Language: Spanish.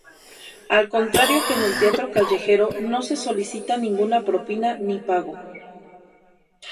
Al contrario que en el teatro callejero no se solicita ninguna propina ni pago.